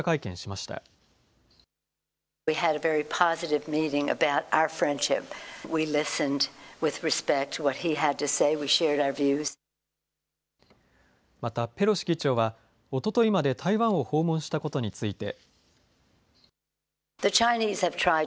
またペロシ議長は、おとといまで台湾を訪問したことについて。